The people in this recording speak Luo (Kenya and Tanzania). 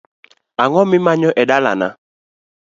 Ang'o mimanyo e dalana?